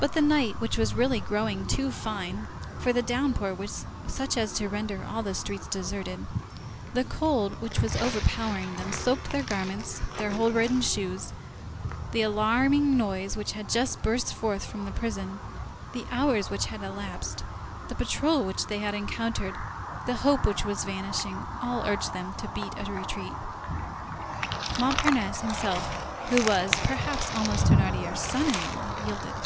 But the night, which was really growing too fine,—for the downpour was such as to render all the streets deserted,—the cold which was overpowering them, their soaked garments, their hole ridden shoes, the alarming noise which had just burst forth in the prison, the hours which had elapsed, the patrol which they had encountered, the hope which was vanishing, all urged them to beat a retreat. Montparnasse himself, who was, perhaps, almost Thénardier's son in law, yielded.